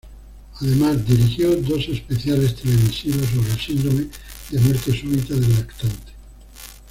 Además dirigió dos especiales televisivos sobre el síndrome de muerte súbita del lactante.